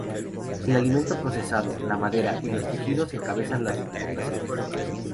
El alimento procesado, la madera, y los tejidos encabezan las exportaciones.